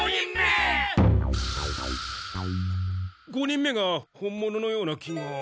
５人目が本物のような気が。